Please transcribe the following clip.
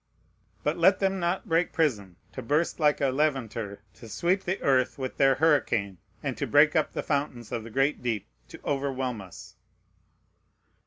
But let them not break prison to burst like a Levanter, to sweep the earth with their hurricane, and to break up the fountains of the great deep to overwhelm us!